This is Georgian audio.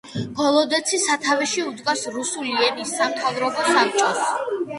გოლოდეცი სათავეში უდგას რუსული ენის სამთავრობო საბჭოს.